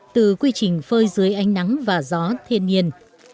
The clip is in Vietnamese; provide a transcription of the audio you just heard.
từ quy trình phơi dưới ánh nắng và gió thiên nhiên